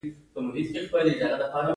ماشي په ولاړو اوبو کې پیدا کیږي